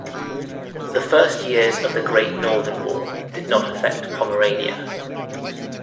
The first years of the Great Northern War did not affect Pomerania.